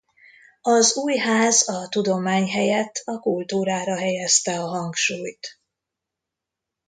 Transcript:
Az új ház a tudomány helyett a kultúrára helyezte a hangsúlyt.